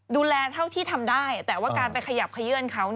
เท่าที่ทำได้แต่ว่าการไปขยับขยื่นเขา